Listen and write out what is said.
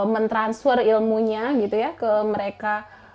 mentransfer ilmunya ke mereka